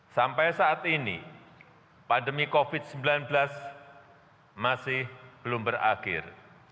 sampai saat ini pandemi covid sembilan belas masih belum berakhir